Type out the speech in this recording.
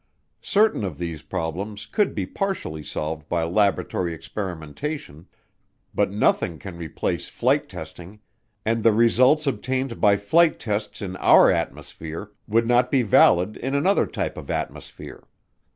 Certain of these problems could be partially solved by laboratory experimentation, but nothing can replace flight testing, and the results obtained by flight tests in our atmosphere would not be valid in another type of atmosphere.